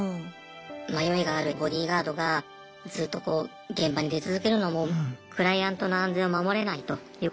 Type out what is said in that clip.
迷いがあるボディーガードがずっとこう現場に出続けるのもクライアントの安全を守れないということにつながります。